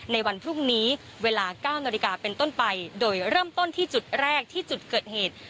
ในวันพรุ่งนี้เวลา๙นาฬิกาเป็นต้นไปโดยเริ่มต้นที่จุดแรกที่จุดเกิดเหตุ